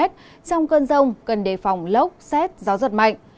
trong cơn rông cần đề phòng lốc xét gió giật mạnh